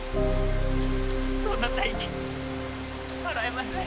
そんな大金払えません